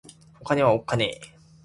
お金はおっかねぇ